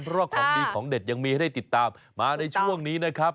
เพราะว่าของดีของเด็ดยังมีให้ได้ติดตามมาในช่วงนี้นะครับ